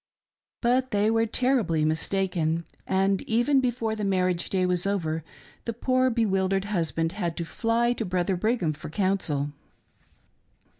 But they were terribly mistaken, and even before the marriage day was over, the poor bewild ered husband had to fly to brother Brigham for counsel.